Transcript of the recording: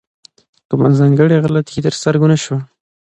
کومه ځانګړې غلطي تر سترګو نه شوه.